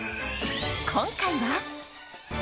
今回は。